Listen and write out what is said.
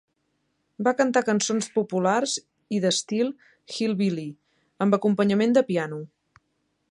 Va cantar cançons populars i d'estil "hillbilly" amb acompanyament de piano.